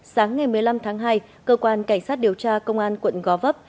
sáng ngày một mươi năm tháng hai cơ quan cảnh sát điều tra công an quận gò vấp